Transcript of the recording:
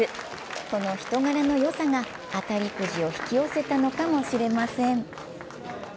この人柄の良さが当たりくじを引き寄せたのかもしれません。